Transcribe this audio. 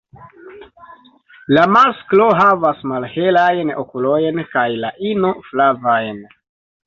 La masklo havas malhelajn okulojn kaj la ino flavajn.